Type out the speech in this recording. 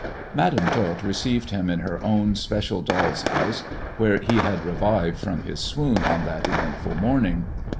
Madam Tot received him in her own special doll's house, where he had revived from his swoon on that eventful morning.